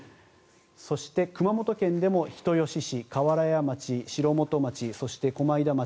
そして、熊本県でも人吉市瓦屋町、城本町そして駒井田町